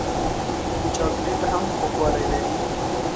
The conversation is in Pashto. چاکلېټ هم خوږوالی لري.